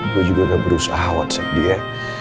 gue juga udah berusaha whatsapp dia